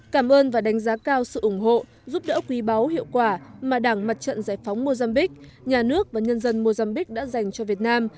cảm ơn và đánh giá cao sự ủng hộ giúp đỡ quý báu hiệu quả mà đảng mặt trận giải phóng mozambique nhà nước và nhân dân mozambique đã dành cho việt nam